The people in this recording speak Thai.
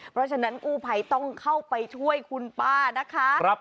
เพราะฉะนั้นกู้ภัยต้องเข้าไปช่วยคุณป้านะคะ